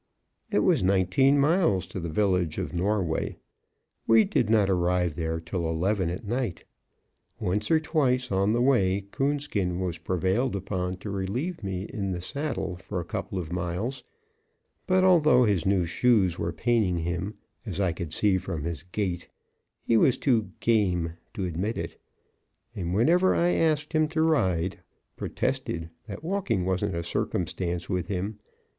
It was nineteen miles to the village of Norway; we did not arrive there till eleven at night. Once or twice on the way Coonskin was prevailed upon to relieve me in the saddle for a couple of miles; but although his new shoes were paining him, as I could see from his gait, he was too "game" to admit it, and whenever I asked him to ride, protested that walking wasn't a circumstance with him.